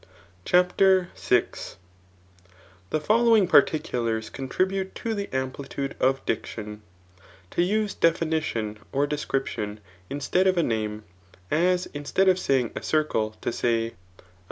CHAPTER VL The following particulars contribute to the amplitude of diction : To use definition [or description] instead of a name ; as instead of saying a circle to say^ a pbmc ' i.